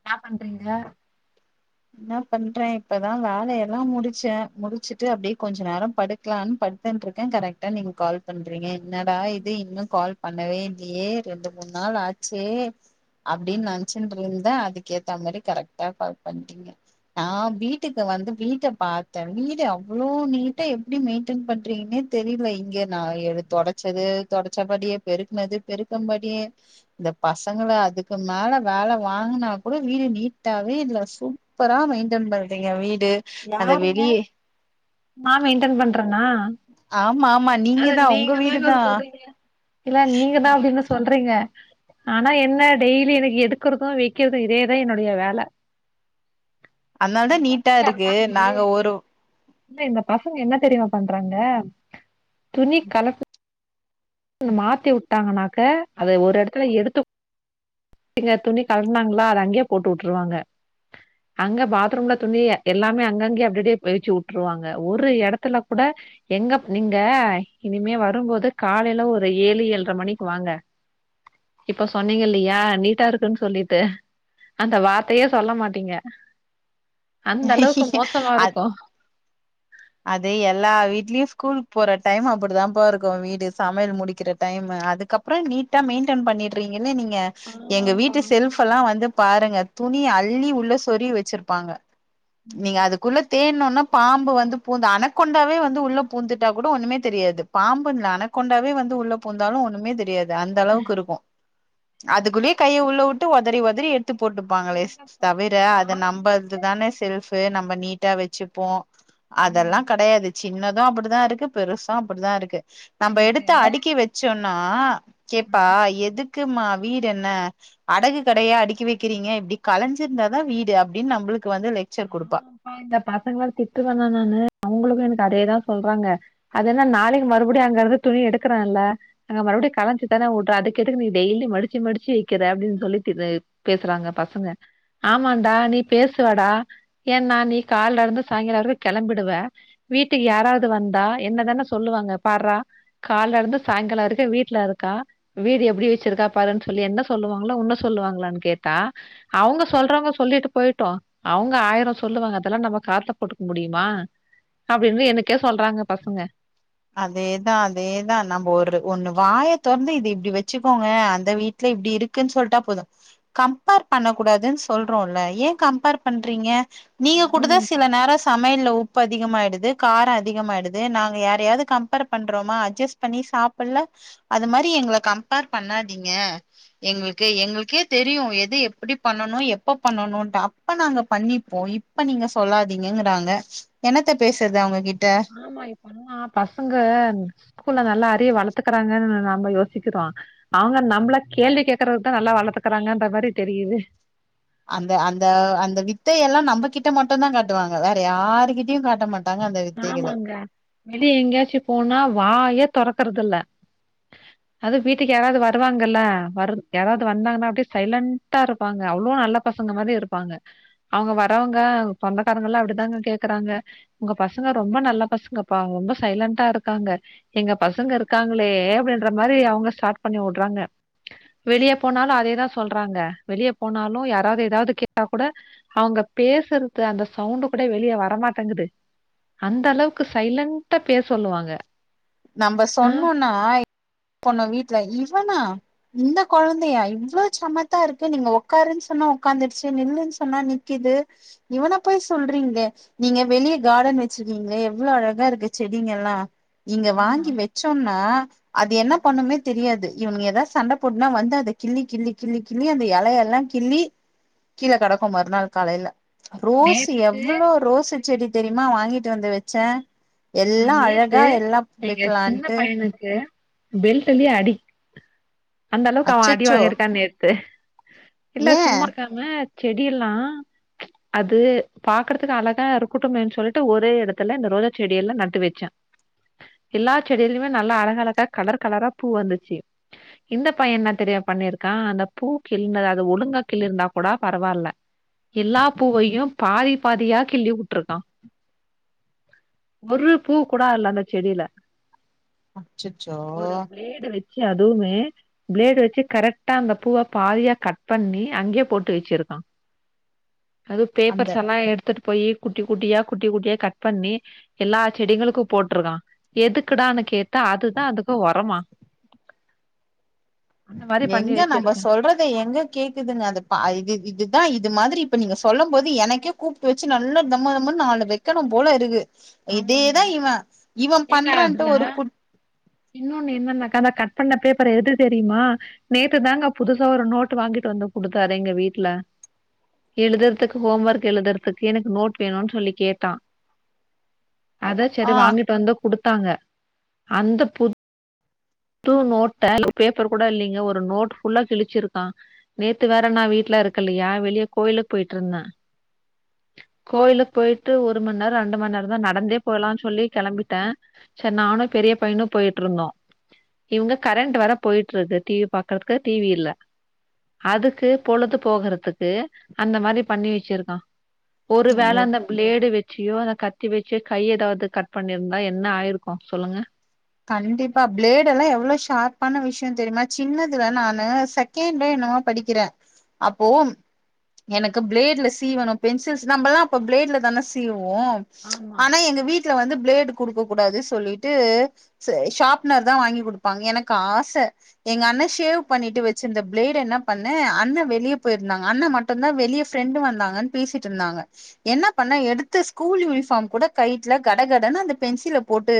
இன்னா பண்றீங்க என்ன பண்றே இப்பதா வேலையெல்லா முடிச்சே முடிச்சுட்டு அப்டியே கொஞ்ச நேரோ படுக்கலான் பட்த்துன்றுக்கே கரெக்ட்டா நீங் கால் பண்றீங்க என்னடா இது இன்னு கால் பண்ணவே இல்லியே ரெண்டு மூண் நாள் ஆச்சே அப்டின் நென்ச்சுன்றுந்தே அதுக்கு ஏத்த மாரி கரெக்டா கால் பண்றீங்க நா வீட்டுக்கு வந்து வீட்ட பாத்தே வீடு அவ்ளோ நீட்டா எப்டி மெயின்டெய்ன் பண்றீங்ன்னே தெரில இங்க நா எ தொடச்சது தொடச்சபடியே பெருக்னது பெருக்கும்படியே இந்த பசங்க லா அதுக்கு மேல வேல வாங்குனா கூட வீடு நீட்டாவே இல்ல சூப்பரா மெயின்டன் பண்றீங்க வீட் யாருங்க நா மெயின்டன் பண்றே நா ஆமா ஆமா நீங்க அத தா உங்க வீடு நீங்கதாங்க தா சொல்றீங்க இல்ல நீங்க தா அப்டினு சொல் நீங்க ஆனா என்ன டெய்லி எனக்கு எடுக்குறது வெக்குற்து இதேதா என்னுடைய வேல அன்னால தா நீட்டா இருக்கு ஏ நாங்க ஒரு இல்ல இந்த பசங்க என்ன தெரியு பண்றாங்க துணி கலப்பு மாத்தி உட்டாங்கன்னாக்க அத ஒரு எடத்துல எடுத்து நீங்க துணி கலட்னாங்களா அத அங்கேயே போட்டு உட்ருவாங்க அங்க பாத்ரூம்ல துணி எல்லாமே அங்கங்கயே அப்டப்டியே [unintelligible] உட்ருவாங்க ஒரு எடத்துல கூட எங்க நீங்க இனிமே வரும்போது காலையில ஒரு ஏழு ஏழ்ர மணிக்கு வாங்க இப்ப சொன்னீங்க இல்லியா நீட்டா இருக்குன்னு சொல்லிட்டு அந்த வார்த்தயே சொல்ல மாட்டீங்க அந்த அளவுக்கு மோசமாருக்கு து எல்லா வீட்லியு ஸ்கூலுக் போற டைம் அப்படிதான்பாருக்கு வீடு சமையல் முடிக்கிற டைம்மு அதுக்கப்றோ நீட்டா மெயின்டென் பண்ணிட்றீங்க இல்ல நீங்க எங்க ஆமாப்பா வீட்டு செல்ஃப் எல்லா வந்து பாருங்க துணி அள்ளி உள்ள சொறிவ் வச்சிருப்பாங்க நீங்க ம் அதுக்குள்ள தேன் னோனா பாம்பு வந்து பூந்து அனக்கோண்டாவே வந்து உள்ள பூந்துட்டா கூட ஒண்ணுமே தெரியாது பாம்புன்ல அனக்கோண்டாவே வந்து உள்ள பூந்தாலு ஒண்ணுமே தெரியாது அந்தளவுக்கு இருக்கு அதுக்குள்ளியே கைய உள்ள வுட்டு ஒதறி ஒதறி எடு த்துப் போட்டுப்பாங்களே எங்கப்பா தவிர நா அத வந்துட்டு நம்மல்துதானே செல் ஃபு நம்ப நீட்டா வச்சுப்போ ஆமா அதெல்லா கெடயாது சின்ன து அப்புடிதா இருக்கு பெருசு அப்புடிதா இருக்கு நம்ம எனக்கு எடுத்து அடுக்கி வச்சோன் னா ஆ கேப்பா எதுக் க்குமா வீடு என்ன அடகு கடையா அடுக்கி வக்கிறீங்க இப்டி கலைஞ்சிருந்தாதா வீடு அப்டின் நம்ளுக்கு ஆமாப்பா இந்த பசங்கள திட்டுவனா நானு அவங்ளுக்கு எனக்கு அதேதா சொல்றாங்க அது என்னா நாளைக்கு மறுபடியும் அங்கருந்து துணி எடுக்கறல அங்க மறுபடியும் கலஞ்சி தானே வுட்ற அதுக்கெதுக்கு நீ டெய்லி மடிச்சு மடிச்சு வக்கிற அப்டின் சொல்லி திட் பேசறாங்க பசங்க ஆமான்டா நீ பேசுவடா ஏன்னா நீ கால்லருந்து சாயங்கால வரைக்கு கெளம்பிடுவ வீட்டுக்கு யாராவது வந்தா என்னதான சொல்லுவாங்க பார்றா கால்லருந்து சாயங்கால வரைக்கும் வீட்ல இருக்கா வீடு எப்டி வச்சிருக்கா பாருன்னு சொல்லி என்ன சொல்லுவாங்ளா உன்ன சொல்லுவாங்ளான் கேட்டா அவங்க சொல்றவங்க சொல்லிட்டு போயிட்டும் அவங்க ஆயிரம் சொல்லுவாங்க அதெல்லா நம்ம காதுல போட்டுக்க முடியுமா அப்டி இப்டி எனக்கே சொல்றாங்க பசங்க அதேதா அதேதா நம்ம ஒரு ஒண்ணு வாய தொறந்து இது இப்டி வச்சுகோங்க அந்த வீட்ல இப்டி இருக்குன் சொல்ட்டா போது கம்பேர் பண்ண கூடாதுன் சொல்றோல்ல ஏன் கம்பேர் பண்றீங்க நீங்க கூடுதா ஆமாப்பா சில நேரம் சமையல்ல உப்பு உப்பு அதிகமாயிடுது கார அதிகமாயிடுது நாங்க யாரையாது கம்பேர் பண்றோமா அட்ஜஸ் பண்ணி சாப்பல்ல அது மாரி எங்கல கம்பேர் பண்ணாதீங்க எங்ளுக்கு எங்ளுக்கே தெரியு எது எப்டி பண்ணணு எப்ப பண்ணணுன்டு அப்ப நாங்க பண்ணிப்போம் இப்ப நீங்க சொல்லாதீங்கங்றாங்க என்னத்த பேசுறது அவங்க கிட்ட ஆமா இப்பல்லா பச பசங்க ஸ்கூல்ல நல்லா அறிவ வளத்துக்கறாங்கனு நம்ம யோசிக்கிறோ அவங்க நம்ள கேள்வி கேக்குறதுக்குதா நல்லா வளர்த்துக்கறாங்கன்ற மாரி தெரிது அந்த அந்த அந்த வித்தையல்லா நம்ம கிட்ட மட்டுந்தா காட்டுவாங்க வேற யாருகிட்டியு காட்ட மாட்டா ஆமாங்க வெளிய எங்கயாச்சும் போனா வாயேத் தொறக்றதுல்ல அது வீட்டுக்கு யாராவது வருவாங்கல்ல யாராவது வந்தாங்கனா அப்டியே சைலண்டா இருப்பாங்க அவ்ளோ நல்ல பசங்க மாரி இருப்பாங்க அவங்க வறவங்க சொந்தக்காரங்கலா அப்டிதாங்க கேக்குறாங்க உங்க பசங்க ரொம்ப நல்ல பசங்கபா ரொம்ப சைலண்ட்டா இருக்காங்க எங்க பசங்க இருக்காங்ளே அப்டின்ற மாரி அவங்க ஸ்டார்ட் பண்ணிவுட்றாங்க வெளிய போனாலு அதேதா சொல்றாங்க வெளிய போனாலும் யாராவது ஏதாவது கேட்டா கூட அவங்க பேசுறது அந்த சவுண்டு கூட வெளியே வரமாட்டேங்குது அந்த அளவுக்கு சைலன்டா பேச சொல்லுவாங்க நம்ம ஆ சொன்னோனா பொண்ண வீட்ல இவனா இந்த கொழந்தையா இவ்ளோ சமத்தாருக்கு நீங்க உக்காருன் சொன்னா உட்காந்துருச்சு நில்லுன் சொன்னா நிக்குது இவனா போய் சொல்றீங்ளே நீங்க வெளிய கார்டன் வச்சிருக்கீங்ளே எவ்ளோ அழகா இருக்கு செடிங்கல்லா இங்க ஆமா. வாங்கி வச்சோன்னா [inaudible] அது என்ன பண்ணுமே தெரியாது இவனுங்க எதா சண்ட போட்னா வந்து அத கிள்ளி கிள்ளி கிள்ளி கிள்ளி அந்த இலையெல்லா கிள்ளி கீழ கெடக்கும் மறுநாள் காலைல நே ரோஸ் எவ்ளோ ரோசு செடி தெரியுமா வாங்கிட்டு வந்து வச்ச ம் எல்லா நேத்து அழகா எல்லா எங்க சின்ன வெக்கலான்ட்டு பையனுக்கு அ பெல்டல்யே அடி அந்த அளவுக்கு அவ அடி அச்சச்சோ வாங்கியிருக்கான்னே தெ இல்ல ஏ சும்மாக்காம செடி எல்லா அது பாக்கறதுக்கு அழகா இருக்கட்டுமேன்னு சொல்ட்டு ஒரே இடத்துல இந்த ரோஜா செடியெல்லா நட்டு வச்சே எல்லா செடியிலயுமே நல்லா அழகழகா கலர் கலரா பூ வந்துச்சு இந்த பைய என்ன தெரிய பண்ணிருக்கா அந்த பூ கிள்னது அத ஒழுங்கா கிள்ளி இருந்தா கூட பரவால்ல எல்லா பூவையு பாதி பாதியா கிள்ளி வுட்ருக்கா ஒரு பூ கூட அல்ல அந்த செடியில அச்சச்சோ சி அதுவுமே ஃபிளேடு வச்சு கரெக்டா அந்த பூவ பாதியா கட் பண்ணி அங்கயே போட்டு வச்சிருக்கா அது அந்த பேப்பர்ஸ் எல்லா எடுத்துட்டு போயி குட்டி குட்டியா குட்டி குட்டியா கட் பண்ணி எல்லா செடிகளுக்கு போட்ருக்கா எதுக்குடான்னு கேட்டா அதுதா அதுக்கு ஒரமா அந்த மாரி பண்ணி எங்க நம்ப வச்சிருக்கா சொல்றத எங்க கேக்குதுங்க அது ப இது இதுதா இத் இது மாதிரி இப்ப நீங்க சொல்லம் போது எனக்கே கூப்ட்டு வச்சு நல்ல தம்மதம்மனு நாலு வைக்கணும் போல இருக்கு ஆமாங்க இதேதா இவ இவன் ஏங்க பண்றான்ட்டு அதுல ஒரு குட் இன்னொன்னு என்னன்னாக்கா நா கட் பண்ண பேப்பர் எது தெரியுமா நேத்து தாங்க புதுசா ஒரு நோட்டு வாங்கிட்டு வந்து குடுத்தாரு எங்க வீட்டுல எழுதற்துக்கு ஹோம் வர்க் எழுதற்துக்கு எனக்கு நோட் வேணுன்னு சொல்லி கேட்டா அதா சரி ஆ வாங்கிட்டு வந்த குடுத் டாங்க அந்த புத் து நோட்ட அதுல ஒரு பேப்பர் கூட இல்லிங்க ஒரு நோட் ஃபுல்லா கிழிச்சிருக்கா நேத்து வேற நா வீட்டுல இருக்கல்லையா வெளியே கோயிலுக் போய்ட்டிருந்தே கோயிலுக்கு போய்ட்டு ஒரு மண் நேர ரெண்டு மண் நேரந்தா நடந்தே போயலான்னு சொல்லி கெளம்பிட்டே செ நானு பெரிய பையனு போயிட்டிருந்தோ இவங்க கரண்ட் வேர போய்ட்டிருக்கு டி வி பாக்கறதுக்கு டி வி இல்ல அதுக்கு பொழுது போகறதுக்கு அந்த மாரி பண்ணி வச்சிருக்கா ஒரு வேல ஐயோ அந்த ஃபிளேடு வச் சியோ அத கத்தி வச்சி கைய ஏதாவது கட் பண்ணிருந்தா என்ன ஆயிருக்கு சொல்லுங்க கண்டிப்பா ஃப்ளேடெல்லா எவ்வளோ ஷார்பான விஷயந் தெரியுமா சின்னதுல நானு செகண்ட்ல என்னமோ படிக்கிறே அப்போ எனக்கு ஃப்ளேட்ல சீவணு பென்சில்ஸ் நம்மெல்லா அப்ப ஃப்ளேட்ல தானே சீவ் வோ ஆமா ஆனா எங்க வீட் ல வந்து ஃப்ளேடு குடுக்க கூடாது சொல்லீட்டு சு ஷார்ப்னர் தா வாங்கி குடுப்பாங்க எனக்கு ஆச எங்க அண்ண ஷேவ் பண்ணிட்டு வச்சிருந்த பிளேட என்ன பண்ண அண்ண வெளியே போயிருந்தாங்க அண்ண மட்டுந்தா வெளிய ஃப்ரெண்டு வந்தாங்கன்னு பேசிட்டு இருந்தாங்க என்ன பண்ணே எடுத்து ஸ்கூல் யூனிஃபார்ம் கூட கழ்ட்ல கடகடன்னு அந்த பென்சில போட்டு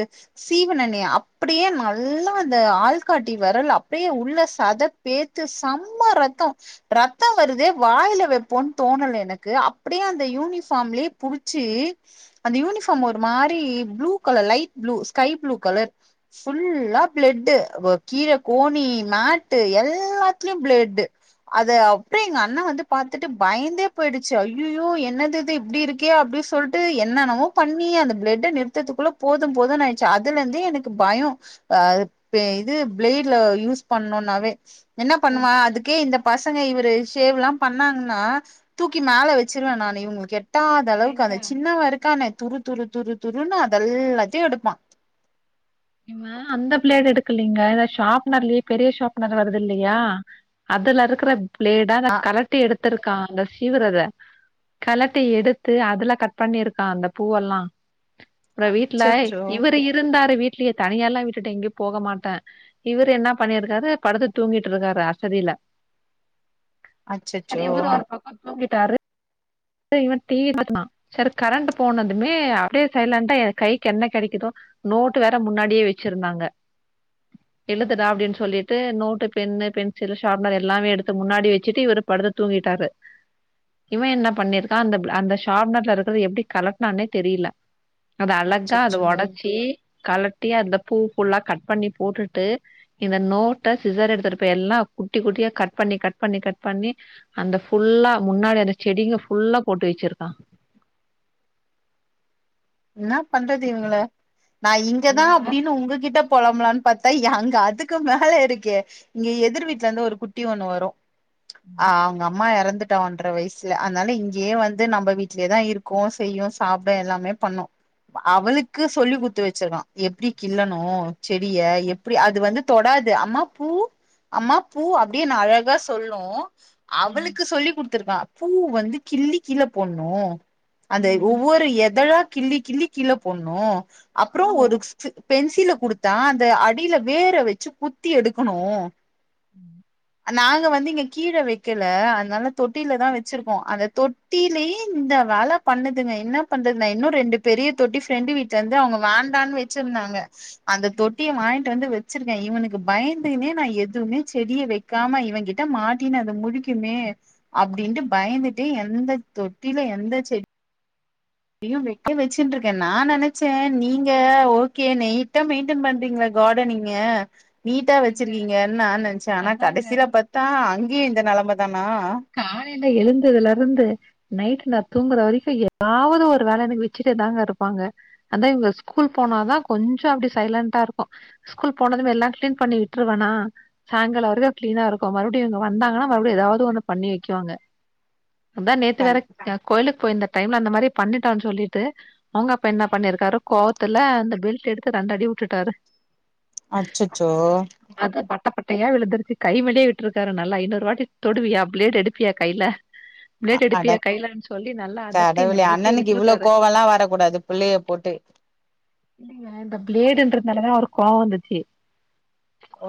சீவுனே அப்படியே நல்லா அந்த ஆள்காட்டி வெரல் அப்டியே உள்ள சத பேத்து சம்ம ரத்தோ ரத்தம் வருதே வாயில வைப்போன் தோணல எனக்கு அப்படியே அந்த யூனிபார்ம்லயே புடிச்சி அந்த யூனிஃபார்ம் ஒரு மாரி blue colour light blue sky blue colour ஃபுல்லா ப்ளட்டு் கீழ கோணி மேட்டு எல்லாத்துலயு ப்ளட்டு் அத அப்டியே எங்க அண்ணா வந்து பாத்துட்டு பயந்தே போயிடுச்சு அய்யய்யோ என்னதிது இப்டி இருக்கே அப்டி சொல்ட்டு என்னென்னமோ பண்ணி அந்த ப்ளட்ட நிறுத்தற்துகுள்ள போதும் போதுன்னு ஆயிச்சு அதுல இருந்தே எனக் பயோ அ பே இது பிளேட்ல யூஸ் பண்ணுன்னாவே என்ன ஓ பண்ணுவா அதுக்கே இந்த பசங்க இவரு ஷேவ் எல்லா பண்ணாங்கன்னா தூக்கி மேல வச்சிருவே நானு இவங்களுக்கு எட் டாத அளவுக்கு ஏங்க அந்த சின்னவெ இருக்கானே துரு துரு துரு துருன்னு அத எல்லாத்தையு எடுப்பா இவெ அந்த பிளேட எடுக்கலீங்க இத ஷார்ப்னர்லயே பெரிய ஷார்ப்னர் வருது இல்லையா அதுல இருக்கற ப்ளேடால கலட்டி எடு த்துருக்கா அந்த சீவரத களட்டி எடுத்து அதுல கட் பண்ணிருக்கா அந்த பூவெல்லா ப்ரோ வீட்ல அச்சச்சோ இவரு இருந்தாரு வீட் இல்லயே தனியால்லா விட்டுட்டு எங்கேயும் போக மாட்டே இவரு என்ன பண்ணிருக்காரு படுத்து தூங்கிட்ருக்காரு அசதில சரி அச்சச்சோ இவரு ஒரு பக்கம் தூங்கிட் டாரு இவன் டி வி [inaudible] சரி கரண்ட் போனதுமே அப்டியே சைலண்டா கைக்கு என்ன கெடைக்குதோ நோட் வேற முன்னாடியே வச்சிருந்தாங்க எழுதுடா அப்டின்னு சொல்லிட்டு நோட்டு பென்னு பென்சில் ஷாப்னர் எல்லாமே எடுத்து முன்னாடி வச்சுட்டு இவரு படுத்து தூங்கிட்டாரு இவன் என்ன பண்ணிருக்கா அந்த அந்த ஷாப்னர்ல இருக்கறத எப்படி கலட்னானே தெரில அது அழகா அத அச்சச்சோ ஒடச்சி கலட்டி அந்த பூ ஃபுல்லா கட் பண்ணி போட்டுட்டு இந்த நோட்ட சிசர் எடுத்துட்டுப்ப எல்லா குட்டி குட்டியா கட் பண்ணி கட் பண்ணி கட் பண்ணி அந்த ஃபுல்லா முன்னாடி அந்த செடிங்க ஃபுல்லா போட்டு வச்சிருக்கான் என்னா பண்றது இவங்கள நா இங்கதா இந்த அப்படின்னு உங்ககிட்ட பொலம்பலான் பத்தா அங்க அதுக்கு மேல இருக்கே இங்க எதிர் வீட்ல இருந்து ஒரு குட்டி ஒன்னு வரும் ஆ அவங்க அம்மா இறந்து வந்துட்டா ஒன்ற வயசு அதனால இங்கேயே வந்து நம்ம வீட்டிலயே தான் இருக்கும் செய்யும் சாப்புடும் எல்லாமே பண்ணு அவளுக்கு சொல்லி குடுத்து வச்சிருக்கோம் எப்படி கில்லன்னும் செடிய எப்படி அது வந்து தொடாது அம்மா பூ அம்மா பூ அப்படியே அழகா சொல்லும் மாரி அவளுக்கு சொல்லி கொடுத்து இருக்கா பூ வந்து கிள்ளி கீழ போடுன்னும் அது ம் ஒவ்வொரு எதழ கிள்ளி கிள்ளி கீழ போடணும் அப்புறம் ஆமா ஒரு பென்சி சுத்தில குடுத்தா அந்த அடியில வேற வச்சு குத்தி எடுக்கணும் நாங்க வந்து இங்க கீழே வைக்கல அதனால தொட்டியில தா வச்சிருக்கோம் அந்த தொட்டியிலே இந்த வேல பண்ணுதுங்க என்ன பண்றது இன்னும் ரெண்டு பெரிய தொட்டி ப்ரெண்டு வீட்டுல இருந்து அவங்க வேண்டான்னு வச்சிருந்தாங்க அந்த தொட்டிய வாங்கிட்டு வந்து வச்சிருக்கே இவனுக்கு பயந்துனே நா எதுவுமே செடிய வைக்காம இவன் கிட்ட மாட்டினு அது முழிக்குமே அப்படின்ட்டு பயந்துட்டு எந்த தொட்டில எந்த செடி வச்சுட்டு இருக்கே நா நினைச்சேன் நீங்க ஓகே நீட்டா மெயின்டென் பண்றீங்கள கார்டனிங்க நீட்டா எங்க வச்சிருக்கீங்கன்னு நா நினைச்சேன் ஆனா அதாங்க கடைசியில பார்த்தா அங்கேயும் இந்த நிலமா [unintelligible] நா காலையில எழுந்ததுல இருந்து நைட் நா தூங்குற வரைக்கும் ஏதாவது ஒரு வேல எனக்கு வச்சிக்கிட்டேதாங்க இருப்பாங்க அந்தா இவங்க ஸ்கூல் போனாதான் கொஞ்சம் அப்படி சைலண்டா இருக்கும் ஸ்கூல் போனதுமே எல்லாம் கிளீன் பண்ணி விட்டுருவேன்னா சாயங்காலம் வரைக்கும் கிளீனா இருக்கும் மறுபடியும் இவங்க வந்தாங்கன்னா மறுபடியும் ஏதாவது ஒண்ணு பண்ணி வைக்காங்க அதா நேத்து வேற கோயிலுக்கு போயிருந்த டைம்ல அந்த மாதிரி பண்ணிட்டான்னு சொல்லிட்டு அவங்க அப்ப என்ன பண்ணிருக்காரு கோவத்துல இந்தந்த பெல்ட் எடுத்து ரெண்டு அடி விட்டுட்டாரு அச்சச்சோ பட்டப்பட்டட்டையா விழுதுருச்சு கைமலியே விட்டு இருக்காரு நல்ல ஐநூறுவட்டி தொடுவையா பிளேட் எடுப்பியா கைல பிளேட அட எடுப்பியா கைலு சொல்லி நல்லா அதத்தி கடவுளே மிரட்டி அண்ணனுக்கு இவ்ளோ விட்டுருக்காரு கோவல்லா வரக்கூடாது புள்ளைய போட்டு இ இந்த பிளேடன்றதுலதா கோவ வந்துச்சு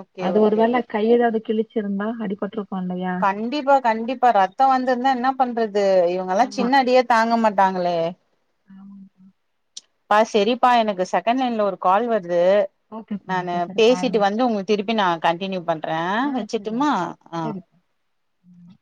ஓகே அது ஒரு ஓகே வேள கைல வச் கிழச்சிருந்தா அடிப்பட்டு பா இல்லையா கண்டிப்பா கண்டிப்பா ரத்தம் வந்திருந்தா என்ன பண்றது இவங்க எல்லாம் ஆமா சின்ன அடியே தாங்க மாட் ட்டாங்களே ஆமா பா சரிப்பா சரி எனக்கு செகண்ட் ஹண்ட் லைன்ல ஒரு கால் வர் து ஓகே நானு ஓகே சரி பேசிட்டு பாருங்க வந்து உங்க திருப்பி நா கண்டினியூ பண் றே வேச்சுட்டுமா ஆஹ் உம்